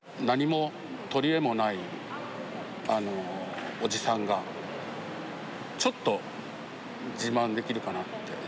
何も取り柄もないおじさんがちょっと自慢できるかなって。